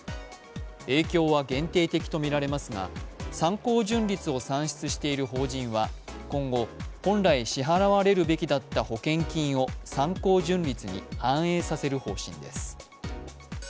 影響は限定的とみられますが参考純率を算出している法人は今後、本来支払われるべきだった保険金を参考純率に反映させる方針です。